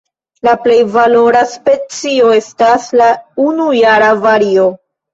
La plej valora specio estas la unujara vario.